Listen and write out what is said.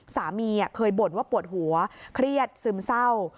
สามีเคยบ่นว่าปวดหัวเครียดซึมเศร้า